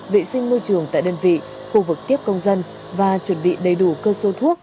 vệ sinh môi trường tại đơn vị khu vực tiếp công dân và chuẩn bị đầy đủ cơ số thuốc